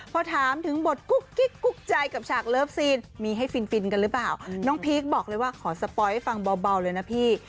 พอถามถึงบทกุ๊กกิ๊กกุ๊กใจกับฉากเลิฟซีนมีให้ฟินฟินกันหรือเปล่าน้องพีคบอกเลยว่าขอสปอยให้ฟังเบาเลยนะพี่